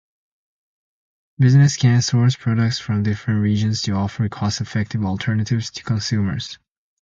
Businesses can source products from different regions to offer cost-effective alternatives to consumers.